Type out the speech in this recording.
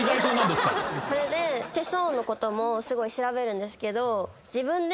それで手相のこともすごい調べるんですけど自分で。